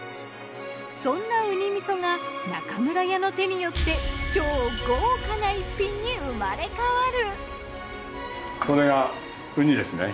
そんなウニ味噌が中村家の手によって超豪華な逸品に生まれ変わる！